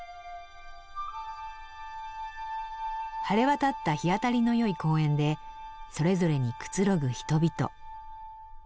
晴れ渡った日当たりのよい公園でそれぞれにくつろぐ人々。